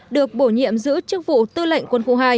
được bổ nhiệm giữ chức vụ tư lệnh quân khu hai